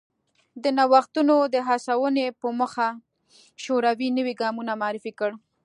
د نوښتونو د هڅونې په موخه شوروي نوی پروګرام معرفي کړ